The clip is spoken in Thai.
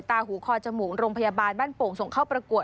หูคอจมูกโรงพยาบาลบ้านโป่งส่งเข้าประกวด